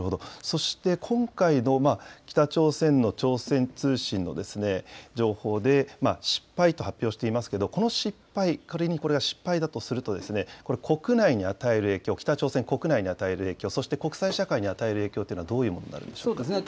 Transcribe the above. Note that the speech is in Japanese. そして、今回の北朝鮮の朝鮮通信の情報で、失敗と発表していますけれども、この失敗、仮にこれが失敗だとすると、これ、国内に与える影響、北朝鮮国内に与える影響、そして国際社会に与える影響というのはどういそうですね。